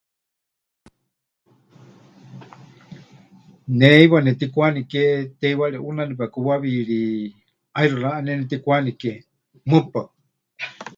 Ne heiwa netikwaniké teiwari ʼuna nepekuwawiri ʼaixɨ raʼaneme netikwanike, mɨpaɨ.